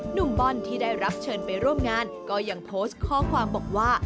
หนุ่มบอลที่ได้รับเชิญไปร่วมงานก็ยังโพสต์ข้อความบอกว่า